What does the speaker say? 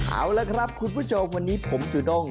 เอาละครับคุณผู้ชมวันนี้ผมจูด้ง